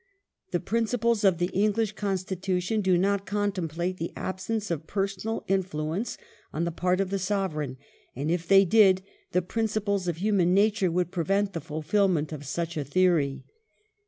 " The principles of the English Constitution do not contemplate the absence of personal influence on the part of the Sovereign ; and if they did, the principles of human nature would prevent the fulfilment of such a theory."